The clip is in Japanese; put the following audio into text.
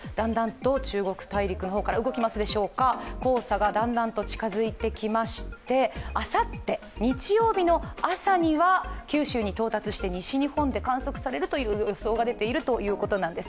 中国大陸の方から黄砂がだんだんと近づいてきまして、あさって日曜日の朝には九州に到達して西日本で観測されるという予想が出ているということなんです。